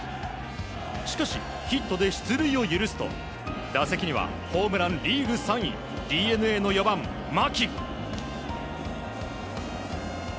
しかし、ヒットで出塁を許すと打席にはホームランリーグ３位ＤｅＮＡの４番、牧。